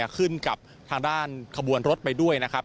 ขึ้นกับทางด้านขบวนรถไปด้วยนะครับ